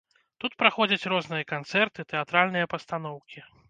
Тут праходзяць розныя канцэрты, тэатральныя пастаноўкі.